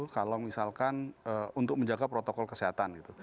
kalau misalkan untuk menjaga protokol kesehatan gitu